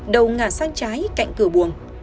đầu ngả sang trái cạnh cửa buồng